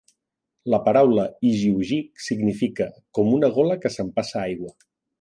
La paraula igiugig significa "com una gola que s'empassa aigua".